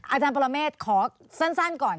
อาจารย์ปรเมฆขอสั้นก่อน